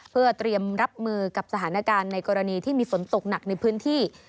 เพื่อเตรียมรับมือกับสถานการณ์ในกรณีที่มีฝนตกหนักในพื้นที่